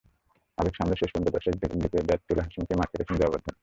আবেগ সামলে শেষ পর্যন্ত দর্শকদের দিকে ব্যাট তুলে হাসিমুখেই মাঠ ছেড়েছেন জয়াবর্ধনে।